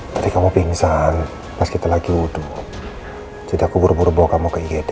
tadi kamu pingsan pas kita lagi wudhu jadi aku buru buru bawa kamu ke igd